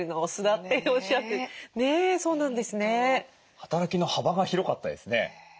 働きの幅が広かったですね。